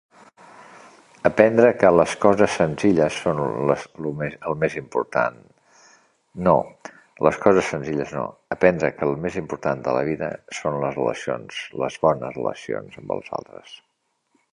Aprendre que les coses senzilles són les lo més el més important. No, les coses senzilles no, aprendre que el més important a la vida són les relacions, les bones relacions amb els altres.